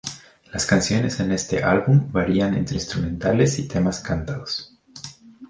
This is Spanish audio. Las canciones en este álbum varían entre instrumentales y temas cantados.